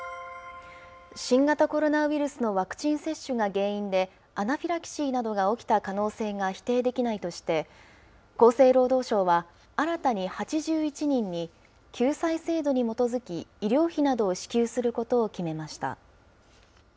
新型コロナウイルスのワクチン接種が原因で、アナフィラキシーなどが起きた可能性が否定できないとして、厚生労働省は、新たに８１人に、救済制度に基づき、医療費などを支給することを決めました。